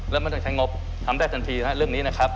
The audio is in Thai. แล้วไม่ต้องใช้งบทำได้ทันทีนะครับเรื่องนี้นะครับ